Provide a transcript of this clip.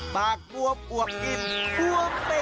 ปากมวมปวบกินมวมเผ็ด